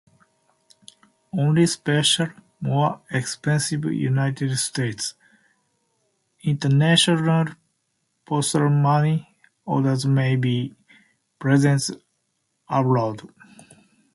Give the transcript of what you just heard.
Only special, more expensive United States International Postal Money Orders may be presented abroad.